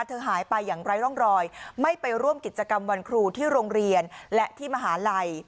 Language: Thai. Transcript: เธอหายไปอย่างไร้ร่องรอยไม่ไปร่วมกิจกรรมวันครูที่โรงเรียนและที่มหาลัย